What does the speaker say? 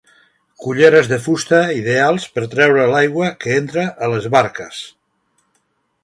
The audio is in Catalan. Culleres de fusta ideals per treure l'aigua que entra a les barques.